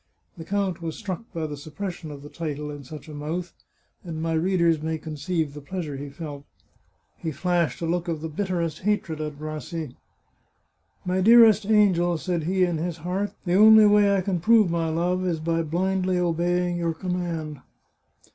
The count was struck by the suppression of the title in such a mouth, and my readers may conceive the pleasure he felt ! He flashed a look of the bitterest hatred 318 The Chartreuse of Parma at Rassi. " My dearest angel," said he in his heart, " the only way I can prove my love, is by blindly obeying your command